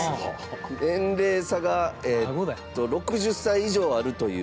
年齢差が６０歳以上あるという。